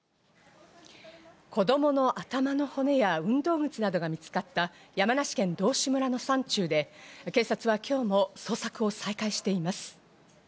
子供の頭の骨や運動靴などが見つかった山梨県道志村の山中で、警察は今日も捜索を再開しています。